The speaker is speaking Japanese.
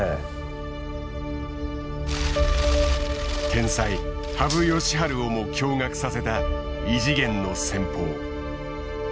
天才羽生善治をも驚がくさせた異次元の戦法。